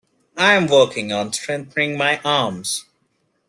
I'm working on strengthening my arms.